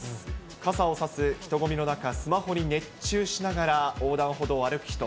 傘を差す人混みの中、スマホに熱中しながら横断歩道を歩く人。